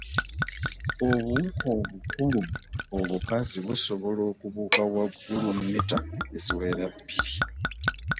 Obuwuka obukulu obukazi busobola okubuuka waggulu miita eziwera bibiri.